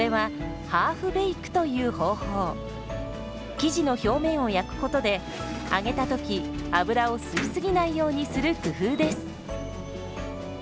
生地の表面を焼くことで揚げた時油を吸い過ぎないようにする工夫です。